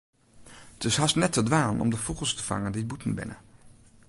It is hast net te dwaan om de fûgels te fangen dy't bûten binne.